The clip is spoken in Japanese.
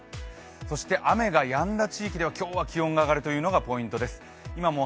そして雨がやんだ地域では今日は気温が上がるのがポイントです。